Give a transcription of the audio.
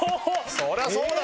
そりゃそうだ！